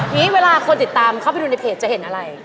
เวลาคนติดตามเข้าไปดูในเพจจะเห็นอะไร